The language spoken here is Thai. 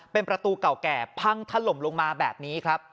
เป็นประตูเก่าแก่พังถล่มลงมาแบบนี้ครับ